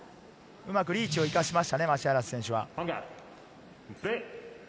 うまくリーチを生かしました、マシアラス選手は。